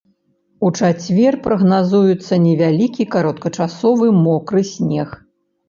У чацвер прагназуецца невялікі кароткачасовы мокры снег.